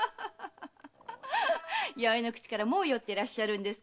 宵の口からもう酔ってらっしゃるんですか？